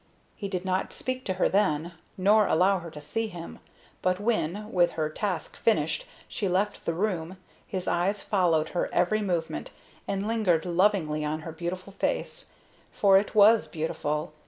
He did not speak to her then, nor allow her to see him, but when, with her task finished, she left the room, his eyes followed her every movement and lingered lovingly on her beautiful face for it was beautiful.